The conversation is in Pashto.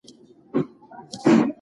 مسواک باید د سهار لخوا ووهل شي.